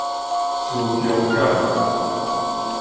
雌雄眼